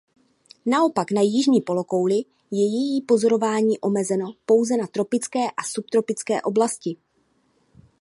Naopak na jižní polokouli je její pozorování omezeno pouze na tropické a subtropické oblasti.